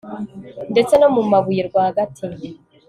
ndetse no mu mabuye rwagati